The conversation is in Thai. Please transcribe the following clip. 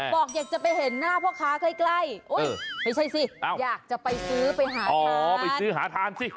บอกอยากจะไปเห็นหน้าพ่อค้าใกล้ไม่ใช่สิอยากจะไปซื้อไปหาอ๋อไปซื้อหาทานสิ